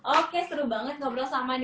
oke seru banget ngobrol sama nih